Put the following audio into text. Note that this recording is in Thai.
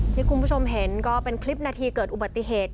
ที่คุณผู้ชมเห็นก็เป็นคลิปนาทีเกิดอุบัติเหตุ